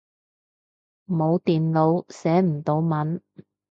冇電腦，寫唔到文